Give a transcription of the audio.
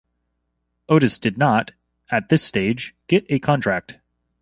Otis did not, at this stage, get a contract.